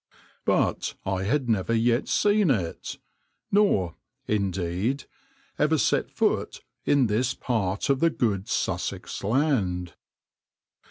But I had never yet seen it, nor, indeed, ever set foot in this part of the good Sussex land.